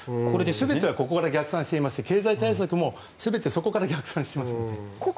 全てはここから逆算していまして経済対策も全てそこから逆算しています。